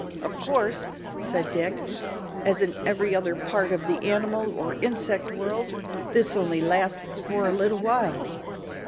"Of course," said Dick, "as in every other part of the animal or insect world, this only lasts for a little while.